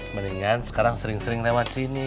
mendingan sekarang sering sering lewat sini